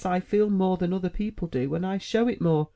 I feel more than other people do, and I show it more.